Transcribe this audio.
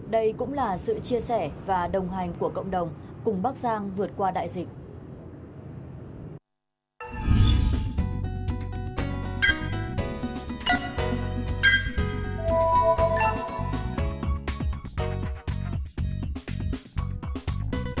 đây cũng là sự chia sẻ và đồng hành của cộng đồng cùng bắc giang vượt qua đại dịch